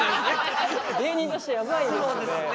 芸人としてやばいですね。